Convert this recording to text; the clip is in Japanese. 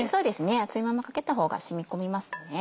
熱いままかけた方が染み込みますよね。